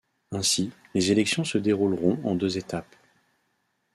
Ainsi, les élections se dérouleront en deux étapes.